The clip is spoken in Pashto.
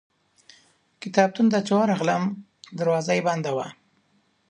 کتابتون ته چې ورغلم دروازه یې بنده وه.